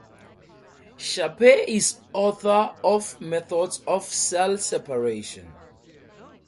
Sharpe is author of "Methods of Cell Separation".